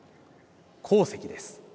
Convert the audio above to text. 鉱石です。